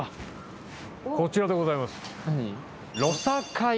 こちらでございます。